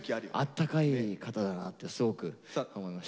あったかい方だなってすごく思いました。